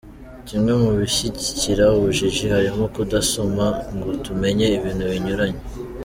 Kimwe mu bishyigikira ubujiji harimo kudasoma, ngo tumenye ibintu binyuranye.